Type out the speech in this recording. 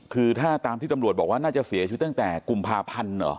คือถ้าตามที่ตำรวจบอกว่าน่าจะเสียชีวิตตั้งแต่กุมภาพันธ์เหรอ